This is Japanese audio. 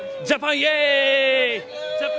イエーイ！